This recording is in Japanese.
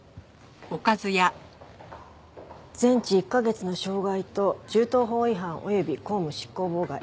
全治１カ月の傷害と銃刀法違反及び公務執行妨害。